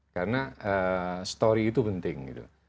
karena story itu penting gitu